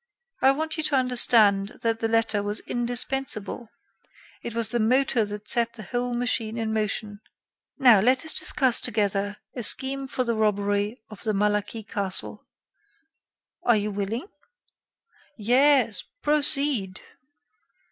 I want you to understand that the letter was indispensable; it was the motor that set the whole machine in motion. Now, let us discuss together a scheme for the robbery of the Malaquis castle. Are you willing?" "Yes, proceed."